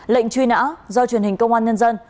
lệnh truy nã do truyền hình công an nhân dân